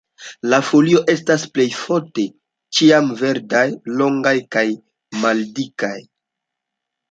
La folioj estas plejofte ĉiamverdaj, longaj kaj maldikaj.